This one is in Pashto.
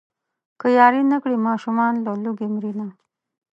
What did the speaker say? که ياري نه کړي ماشومان له لوږې مرينه.